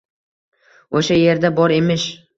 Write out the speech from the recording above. O’sha yerda bor emish.